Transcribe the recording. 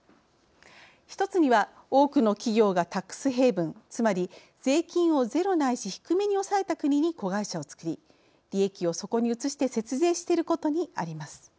一つには、多くの企業がタックスヘイブンつまり、税金をゼロないし低めに抑えた国に子会社を作り利益をそこに移して節税していることにあります。